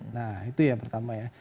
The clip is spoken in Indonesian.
nah itu yang pertama ya